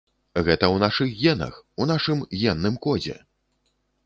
Гэта ў нашых генах, у нашым генным кодзе!